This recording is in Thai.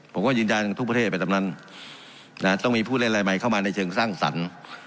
ผมก็ยืนยันทุกประเทศไปตามนั้นต้องมีผู้เล่นรายใหม่เข้ามาในเชิงสร้างสรรค์